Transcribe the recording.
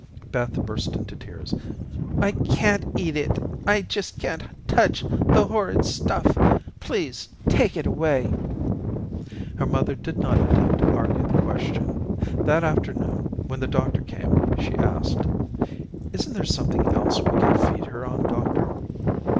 Beth burst into tears. "I can't eat it. I just can't touch the horrid stuff. Please take it away." Her mother did not attempt to argue the question. That afternoon, when the doctor came, she asked: "Isn't there something else we can feed her on, doctor?"